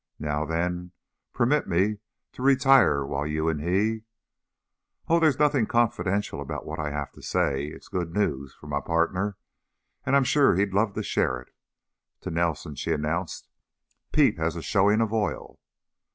Now then, permit me to retire while you and he " "Oh, there's nothing confidential about what I have to say. It's good news for my partner, and I'm sure he'd love to share it." To Nelson she announced, "Pete has a showing of oil!"